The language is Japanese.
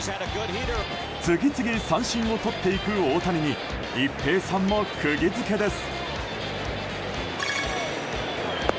次々、三振をとっていく大谷に一平さんも釘付けです。